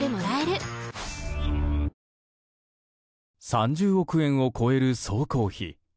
３０億円を超える総工費。